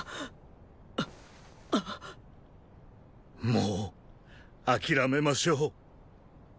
もうあきらめましょう。